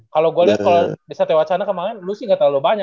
kalau gue liat kalau bisa to sana kemaren lo sih gak terlalu banyak ya